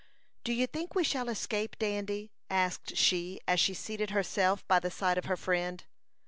"Do you think we shall escape, Dandy?" asked she, as she seated herself by the side of her friend.